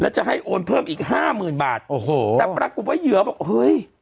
จะให้โอนเพิ่มอีกห้าหมื่นบาทโอ้โหแต่ปรากฏว่าเหยื่อบอกเฮ้ย